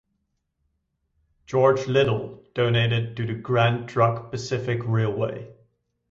George Little donated to the Grand Trunk Pacific Railway.